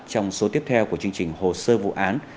trong số tiếp theo của chương trình hồ sơ vụ án